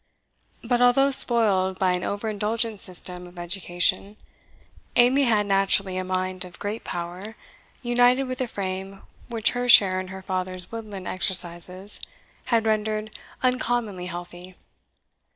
But although spoiled by an over indulgent system of education, Amy had naturally a mind of great power, united with a frame which her share in her father's woodland exercises had rendered uncommonly healthy.